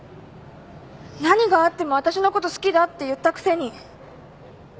何があってもわたしのこと好きだって言ったくせに。